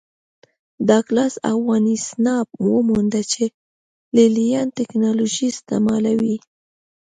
ډاګلاس او وانسینا ومونده چې لې لیان ټکنالوژي استعملوي